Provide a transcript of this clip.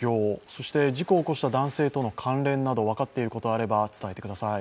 そして、事故を起こした男性との関連など分かっていることがあれば伝えてください。